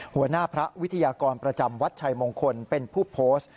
หัวหน้าพระวิทยากรประจำวัดชัยมงคลเป็นผู้โพสต์